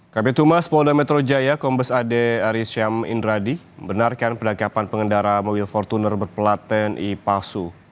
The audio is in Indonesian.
kb tumas polda metro jaya kombes ad arisyam indradi benarkan penangkapan pengendara mobil fortuner berpelaten ipasu